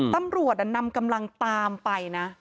ตำรวจนำกำลังตามไปนะ